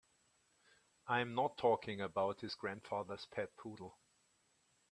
I'm not talking about his grandfather's pet poodle.